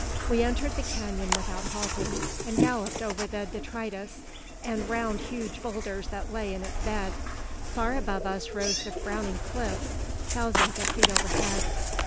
We entered the canon without halting, and galloped over the detritus, and round huge boulders that lay in its bed. Far above us rose the frowning cliffs, thousands of feet overhead.